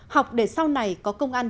học để sau này có công ăn